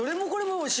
おいしい。